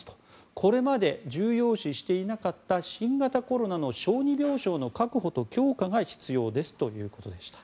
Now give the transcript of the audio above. これまで重要視していなかった新型コロナの小児病床の確保と強化が必要ですということでした。